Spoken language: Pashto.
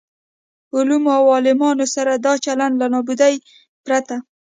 علومو او عالمانو سره دا چلن له نابودۍ پرته.